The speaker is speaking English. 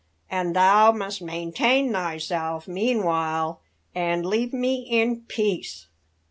And thou must maintain thyself meanwhile, and leave me in peace."